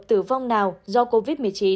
tử vong nào do covid một mươi chín